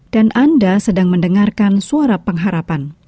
dan anda sedang mendengarkan suara pengharapan